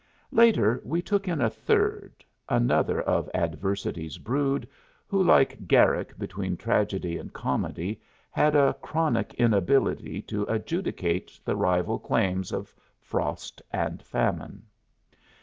Later, we took in a third another of Adversity's brood, who, like Garrick between Tragedy and Comedy, had a chronic inability to adjudicate the rival claims of Frost and Famine.